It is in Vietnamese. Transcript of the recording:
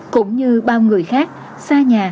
cũng như bao người khác xa nhà